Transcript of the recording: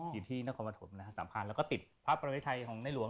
อยู่ที่นครบราชสัมพันธ์แล้วก็ติดภาพประวัติไทยของในหลวง